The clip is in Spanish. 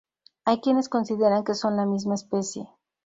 Hay quienes consideran que son la misma especie.